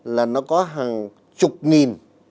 là nó có hàng chục nghìn